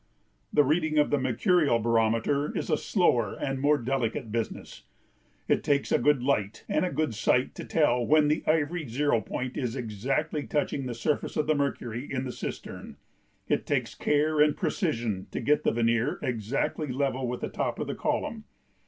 The reading of the mercurial barometer is a slower and more delicate business. It takes a good light and a good sight to tell when the ivory zero point is exactly touching the surface of the mercury in the cistern; it takes care and precision to get the vernier exactly level with the top of the column.